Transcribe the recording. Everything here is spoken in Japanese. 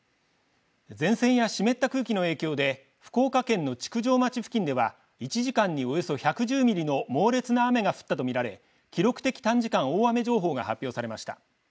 前線や湿った空気の影響で福岡県の築上町付近では１時間におよそ１１０ミリの猛烈な雨が降ったと見られ記録的短時間大雨情報が発表されました。